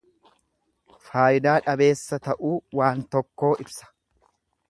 Faayidaa dhabeessa ta'uu waan tokkoo ibsa.